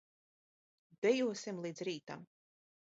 Dejosim līdz rītam.